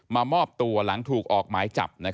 มามอบตัวหลังถูกออกหมายจับ